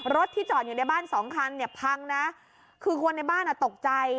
รถที่จอดอยู่ในบ้านสองคันเนี่ยพังนะคือคนในบ้านอ่ะตกใจ